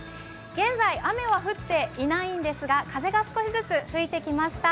現在、雨は降っていないんですが風が少しずつ吹いてきました。